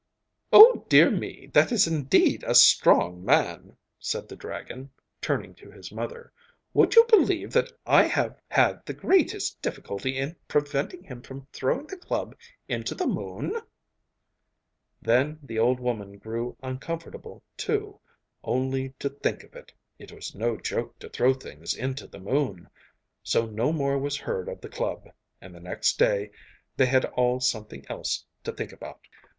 'Oh, dear me, that is indeed a strong man,' said the dragon, turning to his mother. 'Would you believe that I have had the greatest difficulty in preventing him from throwing the club into the moon?' Then the old woman grew uncomfortable too! Only to think of it! It was no joke to throw things into the moon! So no more was heard of the club, and the next day they had all something else to think about.